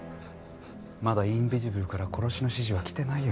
まだインビジブルから殺しの指示は来てないよ